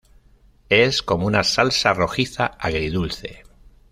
Es como con una salsa rojiza agridulce.